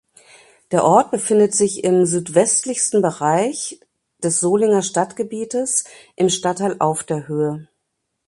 Der Ort befindet sich im südwestlichsten Bereich des Solinger Stadtgebietes im Stadtteil Aufderhöhe.